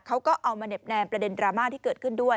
เขาก็เอามาเหน็บแนมประเด็นดราม่าที่เกิดขึ้นด้วย